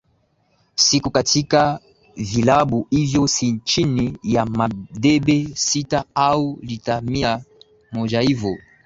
siku katika vilabu hivyo si chini ya madebe sita au lita mia mojaHiyo